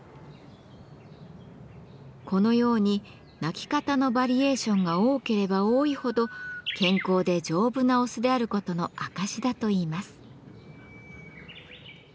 このように鳴き方のバリエーションが多ければ多いほど健康で丈夫なオスであることの証しだといいます。